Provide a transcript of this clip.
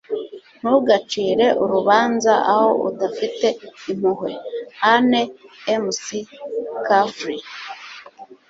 ntugacire urubanza aho udafite impuhwe. - anne mccaffrey